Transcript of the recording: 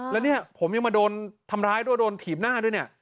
แล้วเนี่ยผมยังมาโดนทำร้ายด้วยโดนถีบหน้าด้วยเนี่ย